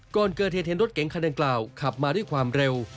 ก่อนเกิดเห็นรถเก๋งขนาดเกราขับมาด้วยความเร็ว